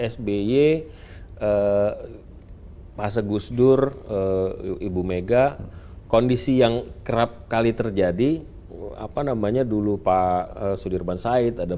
sby pas gusdur ibu mega kondisi yang kerap kali terjadi apa namanya dulu pak sudirman said ada